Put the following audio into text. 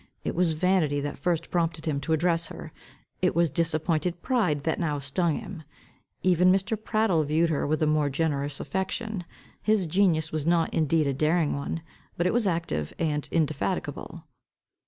It was vanity that first prompted him to address her. It was disappointed pride that now stung him. Even Mr. Prattle viewed her with a more generous affection. His genius was not indeed a daring one, but it was active and indefatigable.